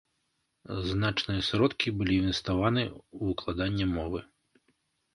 Значныя сродкі былі інвеставаны ў выкладанне мовы.